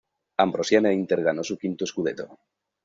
Ambrosiana-Inter ganó su quinto "scudetto".